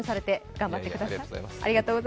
頑張ってください。